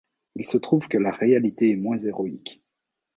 Il se trouve que la réalité est moins héroïque.